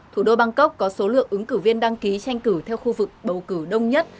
thủ đô bangkok có số lượng ứng cử viên đăng ký tranh cử theo khu vực bầu cử đông nhất